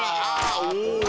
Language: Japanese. お！